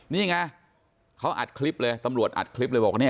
นี่ไงเขาอัดคลิปเลย